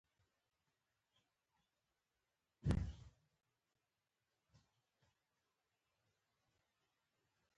سپین ږیری د کلي د دودونو په اړه پوهیږي